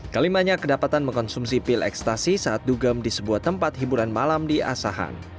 kelimanya kedapatan mengkonsumsi pil ekstasi saat dugem di sebuah tempat hiburan malam di asahan